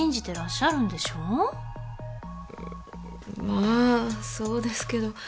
まあそうですけど。